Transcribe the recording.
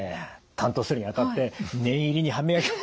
担当するにあたって念入りに歯磨きを。